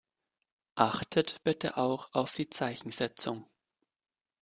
Achtet bitte auch auf die Zeichensetzung.